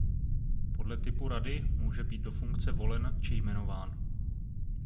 Podle typu rady může být do funkce volen či jmenován.